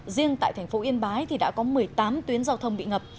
riêng tại thành phố yên bái thì đã có một mươi tám tuyến giao thông bị ngập